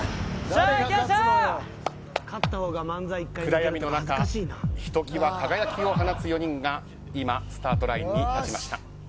暗闇の中ひときわ輝きを放つ４人が今スタートラインに立ちました。